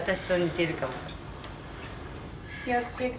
気を付けて。